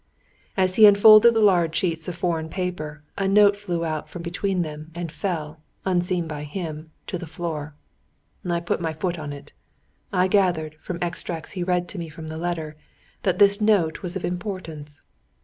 "As he unfolded the large sheets of foreign paper, a note flew out from between them, and fell, unseen by him, to the floor. "I put my foot on it. I gathered, from extracts he read me from the letter, that this note was of importance.